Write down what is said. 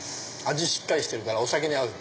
味しっかりしてるからお酒に合う。